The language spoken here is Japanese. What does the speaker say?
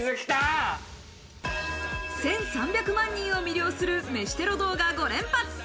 １３００万人を魅了する飯テロ動画５連発。